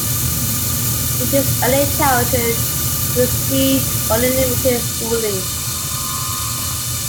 In his early childhood, he received only limited schooling.